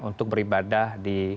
untuk beribadah di